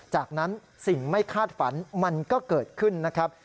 จากนั้นสิ่งไม่คาดฝันมันก็เกิดขึ้นนะครับ